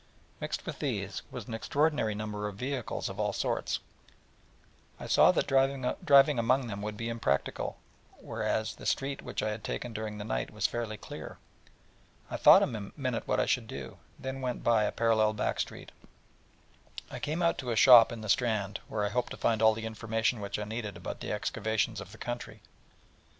Mixed with these was an extraordinary number of vehicles of all sorts, so that I saw that driving among them would be impracticable, whereas the street which I had taken during the night was fairly clear. I thought a minute what I should do: then went by a parallel back street, and came out to a shop in the Strand, where I hoped to find all the information which I needed about the excavations of the country.